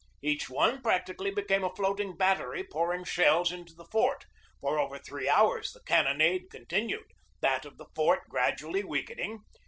Each one practically became a floating battery pour ing shells into the fort. For over three hours the cannonade continued, that of the fort gradually weakening.